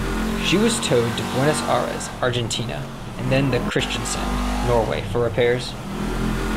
She was towed to Buenos Aires, Argentina and then to Kristiansand, Norway for repairs.